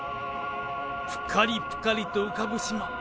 ぷかりぷかりと浮かぶ島。